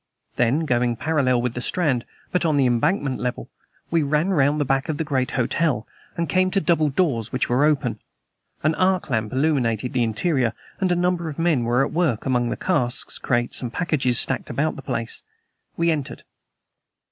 Then, going parallel with the Strand, but on the Embankment level, we ran round the back of the great hotel, and came to double doors which were open. An arc lamp illuminated the interior and a number of men were at work among the casks, crates and packages stacked about the place. We entered.